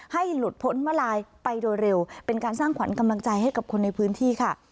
ให้หลุดพ้นมาลายไปโดยเร็วเป็นการสร้างขวัญกำลังใจให้กับคนในพื้นที่ค่ะ